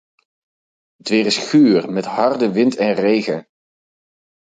Het weer is guur, met harde wind en regen.